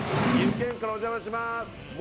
次回も岐阜県からお邪魔します。